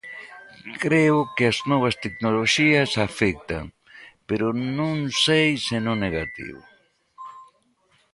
Creo que as novas tecnoloxías afectan, pero non sei se no negativo.